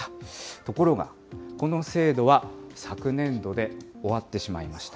ところが、この制度は昨年度で終わってしまいました。